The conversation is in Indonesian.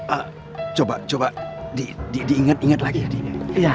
ah coba coba diinget inget lagi ya